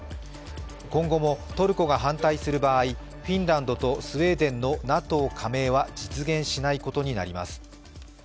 今後もトルコが反対する場合フィンランドとスウェーデンのＮＡＴＯ加盟は実現しないことになります。